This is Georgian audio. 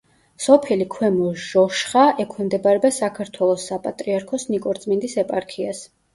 სოფელი ქვემო ჟოშხა ექვემდებარება საქართველოს საპატრიარქოს ნიკორწმინდის ეპარქიას.